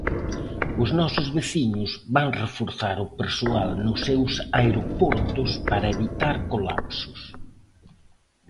Os nosos veciños van reforzar o persoal nos seus aeroportos para evitar colapsos.